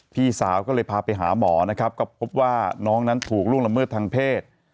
พี่สาวก็เลยพาไปหาหมอนะครับก็พบว่าน้องนั้นถูกล่วงละเมิดทางเพศ